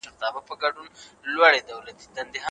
د تشناب فلش کولی شي میکروبونه ورسوي.